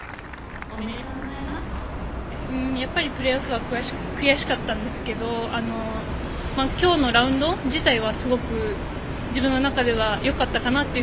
やっぱりプレーオフは悔しかったんですけど今日のラウンド自体はすごく自分の中では良かったかなと。